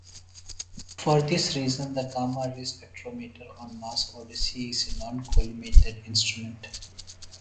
For this reason, the gamma ray spectrometer on Mars Odyssey is a non-collimated instrument.